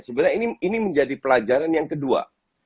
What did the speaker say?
sebenarnya ini menjadi pelajaran yang kedua